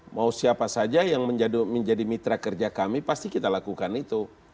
mau siapa saja yang menjadi mitra kerja kami pasti kita lakukan itu